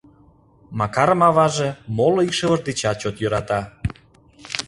Макарым аваже моло икшывыж дечат чот йӧрата.